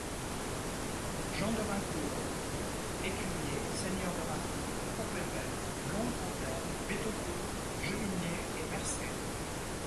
Jean de Raincourt, écuyer, seigneur de Raincourt, Bourbévelle, Blondefontaine, Betaucourt, Gevigney et Mercey.